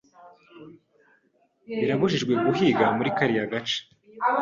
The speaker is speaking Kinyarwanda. Birabujijwe guhiga muri kariya gace.